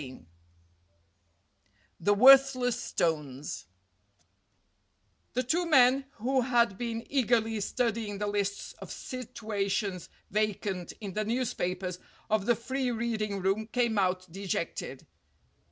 IX THE WORTHLESS STONES THE two men who had been eagerly studying the lists of situations vacant in the newspapers of the free reading room came out dejected.